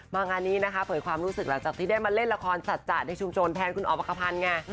งานนี้นะคะเผยความรู้สึกหลังจากที่ได้มาเล่นละครสัจจะในชุมชนแทนคุณอ๋อมอักภัณฑ์ไง